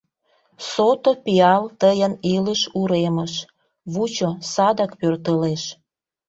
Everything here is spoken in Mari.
Сото пиал тыйын илыш уремыш, Вучо, садак пӧртылеш.